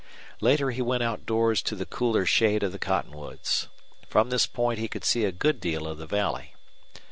Later he went outdoors to the cooler shade of the cottonwoods. From this point he could see a good deal of the valley.